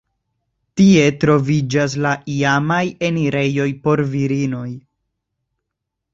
Tie troviĝas la iamaj enirejoj por virinoj.